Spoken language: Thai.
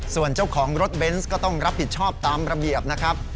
ส่วนเจ้าของรถเบนส์ก็ต้องรับผิดชอบตามระเบียบนะครับ